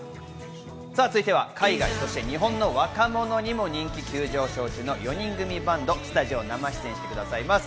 続いては、海外、そして日本の若者にも人気急上昇中の４人組バンド、スタジオ生出演してくださいます。